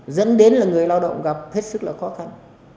dẫn đến là người lao động gặp hết sức là khó khăn